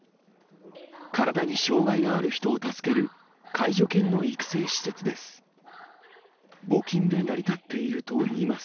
体に障がいがある人を助ける介助犬の育成施設です。